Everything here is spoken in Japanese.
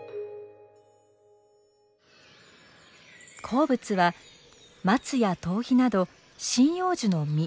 好物はマツやトウヒなど針葉樹の実。